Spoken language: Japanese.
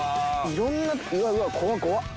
いろんなうわうわ怖怖っ。